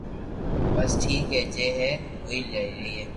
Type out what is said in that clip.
بس ٺيڪ ھي جي ھي ھوئي ليئي